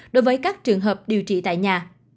đối với các trường hợp điều trị tại nhà